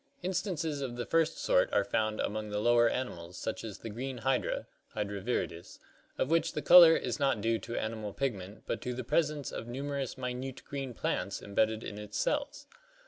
Instances of the first sort are found among the lower animals such as the green hydra {Hydra viridis) of which the color is not due to animal pigment but to the presence of numerous minute green plants embedded in its cells (see Fig.